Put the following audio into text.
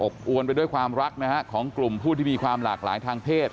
อวนไปด้วยความรักนะฮะของกลุ่มผู้ที่มีความหลากหลายทางเพศ